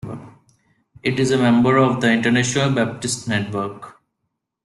It is a member of the International Baptist Network.